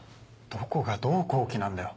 どこがどう好機なんだよ。